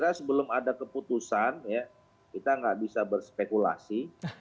kita sebelum ada keputusan kita nggak bisa berspekulasi